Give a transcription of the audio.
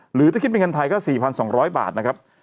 หรือถ้าคิดเป็นเงินไทยก็๔๒๐๐บาทนะครับ